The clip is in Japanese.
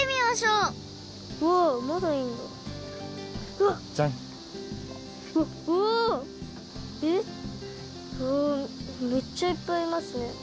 うわめっちゃいっぱいいますね。